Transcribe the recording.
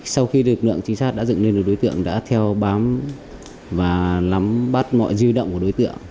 sau khi lực lượng trinh sát đã dựng nên được đối tượng đã theo bám và lắm bắt mọi dư động của đối tượng